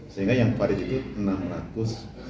sehingga yang valid itu enam ratus dua